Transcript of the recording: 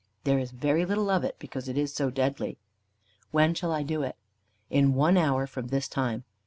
There is very little of it, because it is so deadly." "When shall I do it?" "In one hour from this time.